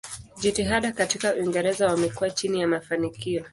Jitihada katika Uingereza wamekuwa chini ya mafanikio.